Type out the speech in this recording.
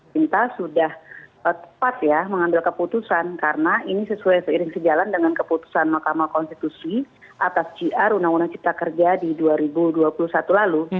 kita sudah tepat ya mengambil keputusan karena ini sesuai seiring sejalan dengan keputusan mahkamah konstitusi atas cr undang undang cipta kerja di dua ribu dua puluh satu lalu